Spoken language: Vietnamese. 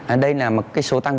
ở đây là một số tăng